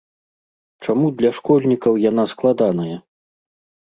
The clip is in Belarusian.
Чаму для школьнікаў яна складаная?